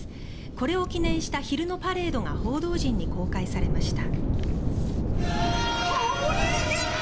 これを記念した昼のパレードが報道陣に公開されました。